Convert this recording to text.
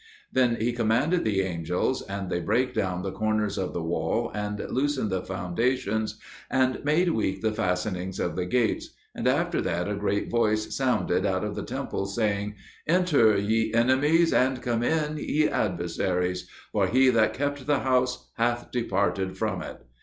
Then he commanded the angels, and they brake down the corners of the wall and loosened the foundations, and made weak the fastenings of the gates; and after that a great voice sounded out of the temple, saying, "Enter, ye enemies, and come in, ye adversaries; for He that kept the house hath departed from it."